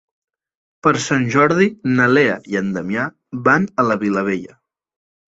Per Sant Jordi na Lea i en Damià van a la Vilavella.